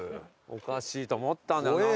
おかしいと思ったんだよ何か。